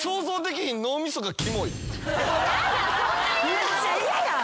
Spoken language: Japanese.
むっちゃ嫌やん。